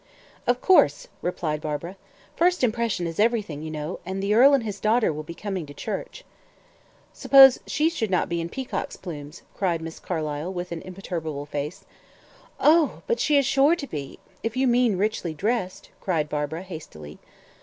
"Of course," replied Barbara. "First impression is everything, you know, and the earl and his daughter will be coming to church." "Suppose she should not be in peacock's plumes?" cried Miss Carlyle, with an imperturbable face. "Oh! But she is sure to be if you mean richly dressed," cried Barbara, hastily.